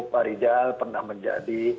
pak rizal pernah menjadi